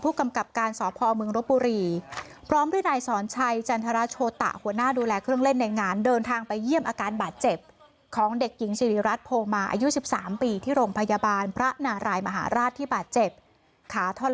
ผู้กำกับการสพมรบบุรีพร้อมด้วยนายสอนชาญ